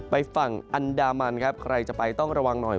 ไปฝั่งอันดามันครับใครจะไปต้องระวังหน่อย